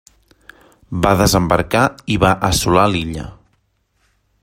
Va desembarcar i va assolar l'illa.